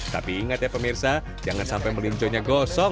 tapi ingat ya pemirsa jangan sampai melinjonya gosong